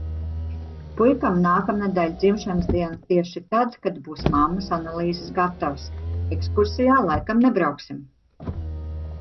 Puikam nākamnedēļ dzimšanas diena tieši tad, kad būs mammas analīzes gatavas. Ekskursijā laikam nebrauksim.